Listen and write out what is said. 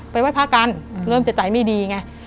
ไห้พระกันเริ่มจะใจไม่ดีไง